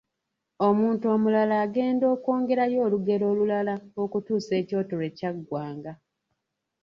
Omuntu omulala agenda okwongerayo olugero olulala okutuusa ekyoto lwe kyaggwanga.